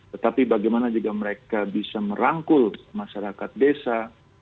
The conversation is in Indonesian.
tetapi bagaimana juga mereka bisa merangkul masyarakat desa